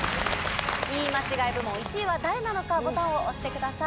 言い間違い部門１位は誰なのかボタンを押してください。